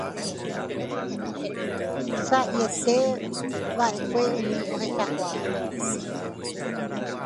Saʼíntevaʼekue umi ohechakuaáva.